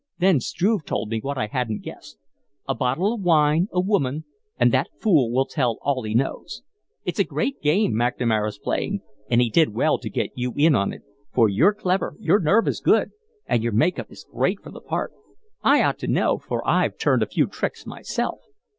Then Struve told me what I hadn't guessed. A bottle of wine, a woman, and that fool will tell all he knows. It's a great game McNamara's playing and he did well to get you in on it, for you're clever, your nerve is good, and your make up is great for the part. I ought to know, for I've turned a few tricks myself.